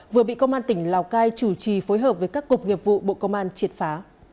vừa bị công an tỉnh lào cai chủ trì phối hợp với các cục nghiệp vụ bộ công an triệt phá